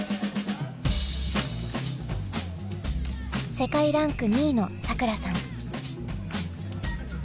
世界ランク２位のさくらさん。